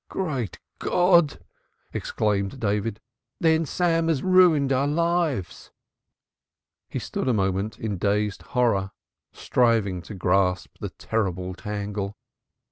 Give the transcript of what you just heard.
"Great God!" exclaimed David. "Then Sam has ruined our lives." He stood a moment in dazed horror, striving to grasp the terrible tangle.